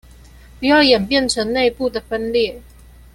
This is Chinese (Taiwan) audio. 不要演變成内部的分裂